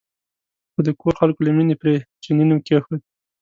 خو د کور خلکو له مینې پرې چیني نوم کېښود.